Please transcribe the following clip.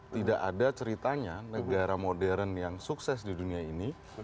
tidak ada ceritanya negara modern yang sukses di dunia ini